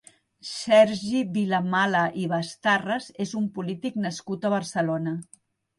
Sergi Vilamala i Bastarras és un polític nascut a Barcelona.